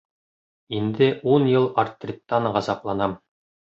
Инде ун йыл артриттан ғазапланам.